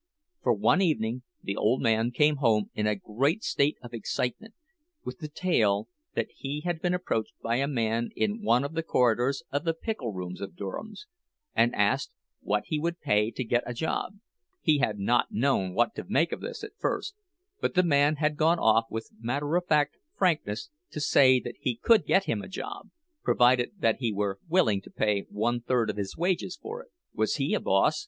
For one evening the old man came home in a great state of excitement, with the tale that he had been approached by a man in one of the corridors of the pickle rooms of Durham's, and asked what he would pay to get a job. He had not known what to make of this at first; but the man had gone on with matter of fact frankness to say that he could get him a job, provided that he were willing to pay one third of his wages for it. Was he a boss?